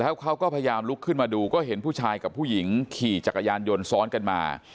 เขาก็พยายามลุกขึ้นมาดูก็เห็นผู้ชายกับผู้หญิงขี่จักรยานยนต์ซ้อนกันมา